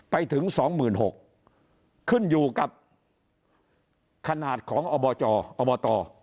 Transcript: ไปถึง๒๖๐๐ขึ้นอยู่กับขนาดของอบจอบต